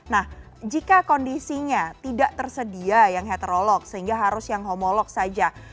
nah jika kondisinya tidak tersedia yang heterolog sehingga harus yang homolog saja